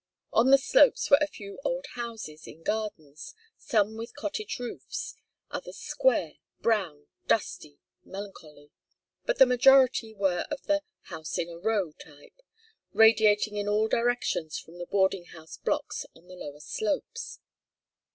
On the slopes were a few old houses in gardens, some with cottage roofs, others square, brown, dusty, melancholy. But the majority were of the "house in a row" type, radiating in all directions from the "boarding house blocks" on the lower slopes.